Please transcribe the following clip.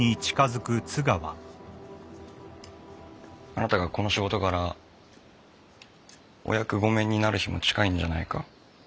あなたがこの仕事からお役御免になる日も近いんじゃないか？